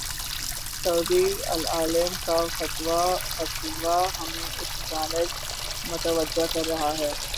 سعودی عالم کا فتوی ہمیں اس جانب متوجہ کر رہا ہے۔